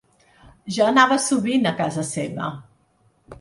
Jo anava sovint a casa seva.